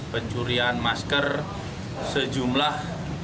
pencurian masker sejumlah tiga ratus dua puluh